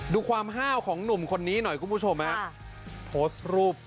ดูความห้าวของหนุ่มคนนี้หน่อยคุณผู้ชมฮะโพสต์รูป